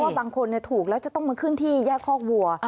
บางคนถูกแล้วจะต้องมาขึ้นที่แยกคอกวัว